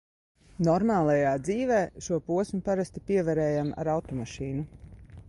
"Normālajā dzīvē" šo posmu parasti pievarējām ar automašīnu.